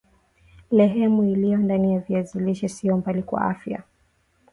lehemu iliyo ndani ya viazi lishe sio mbaya kwa afya